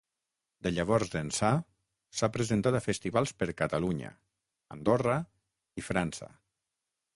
De llavors ençà, s'ha presentat a festivals per Catalunya, Andorra i França.